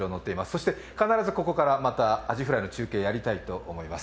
そして必ずここからまたアジフライの中継をやりたいと思います。